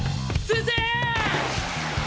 先生！